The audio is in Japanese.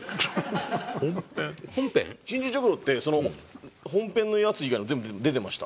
鎮守直廊ってその本編のやつ以外も全部出てました？